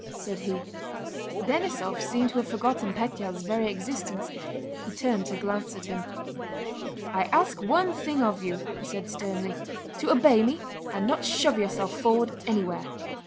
said he. Denísov seemed to have forgotten Pétya's very existence. He turned to glance at him. "I ask one thing of you," he said sternly, "to obey me and not shove yourself forward anywhere."